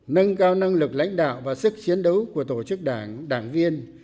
nâng cao năng lực lãnh đạo và sức chiến đấu của tổ chức đảng đảng viên